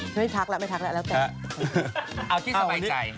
เฮ้ยทักแล้วไม่ทักแล้วเอาที่สบายใจ